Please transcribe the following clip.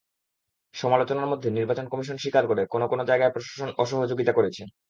সমালোচনার মধ্যে নির্বাচন কমিশন স্বীকার করে, কোনো কোনো জায়গায় প্রশাসন অসহযোগিতা করেছে।